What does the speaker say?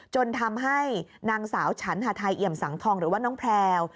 จนทำให้นางสาวฉันหาไทยเอี่ยมสังทองหรือว่าน้องแพลว